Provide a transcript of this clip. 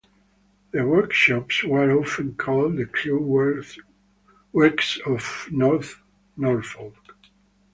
The workshops were often called the Crewe Works of North Norfolk.